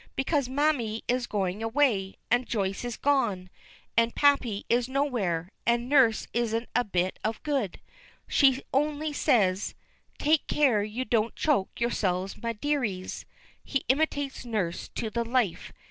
Because mammy is going away, and Joyce is gone, and pappy is nowhere; and nurse isn't a bit of good she only says, 'Take care you don't choke yourselves, me dearies!'" He imitates nurse to the life.